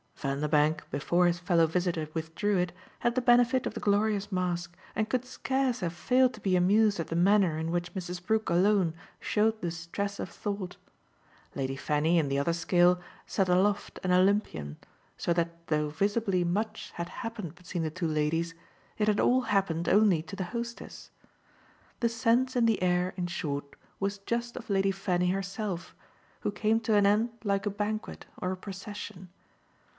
Vanderbank, before his fellow visitor withdrew it, had the benefit of the glorious mask and could scarce have failed to be amused at the manner in which Mrs. Brook alone showed the stress of thought. Lady Fanny, in the other scale, sat aloft and Olympian, so that though visibly much had happened between the two ladies it had all happened only to the hostess. The sense in the air in short was just of Lady Fanny herself, who came to an end like a banquet or a procession.